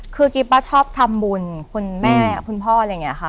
คือกิ๊บชอบทำบุญคุณแม่คุณพ่ออะไรอย่างนี้ค่ะ